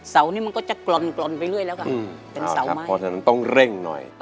เสานี่มันก็จะกลอนไปเรื่อยแล้วค่ะเป็นเสาใหม่อเจมส์อ๋อครับพอฉะนั้นต้องเร่งหน่อย